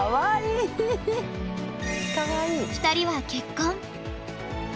２人は結婚。